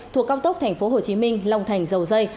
thuộc cao tốc tp hcm long thành dầu dây